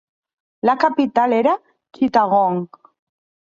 La capital era Chittagong.